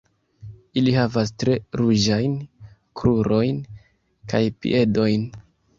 Ili havas tre ruĝajn krurojn kaj piedojn.